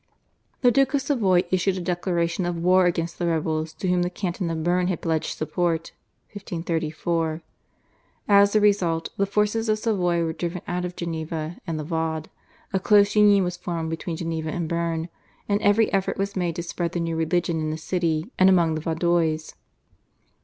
The Duke of Savoy issued a declaration of war against the rebels to whom the Canton of Berne had pledged support (1534). As a result the forces of Savoy were driven out of Geneva and the Vaud, a close union was formed between Geneva and Berne, and every effort was made to spread the new religion in the city and among the Vaudois.